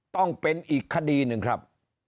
ต้องเป็นอีกคดีหนึ่งครับ